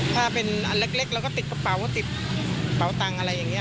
ถ้าเป็นอันเล็กเราก็ติดกระเป๋าติดเป๋าตังค์อะไรอย่างนี้